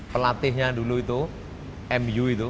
pelatihnya dulu itu mu itu